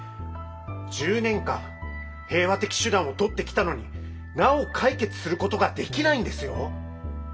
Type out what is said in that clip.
１０年間平和的手段をとってきたのになお解決することができないんですよ！